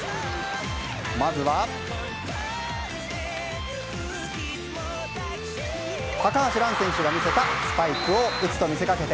まずは、高橋藍選手が見せたスパイクを打つと見せかけて。